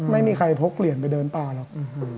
ไม่มีใครพกเหรียญไปเดินป่าหรอก